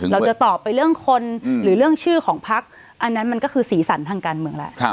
เราจะตอบไปเรื่องคนหรือเรื่องชื่อของพักอันนั้นมันก็คือสีสันทางการเมืองแล้ว